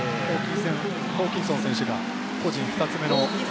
ホーキンソン選手が個人２つ目の。